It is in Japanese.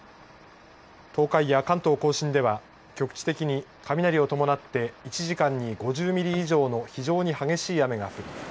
東海や関東甲信では局地的に雷を伴って１時間に５０ミリ以上の非常に激しい雨が降り